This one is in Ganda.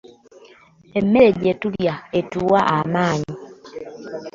Emmere gye tulya etuwa amaanyi.